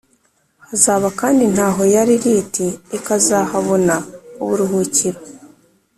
Hazaba kandi intaho ya Liliti, ikazahabona uburuhukiro.